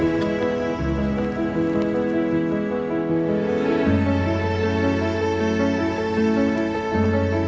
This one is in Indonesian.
memohon untuk cpa terhutung semua yang kalau disuruh untuk merek